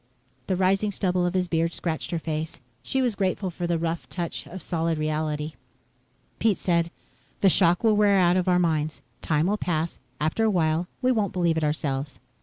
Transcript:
The rising stubble of his beard scratched her face. She was grateful for the rough touch of solid reality. Pete said, "The shock will wear out of our minds. Time will pass. After a while, we won't believe it ourselves."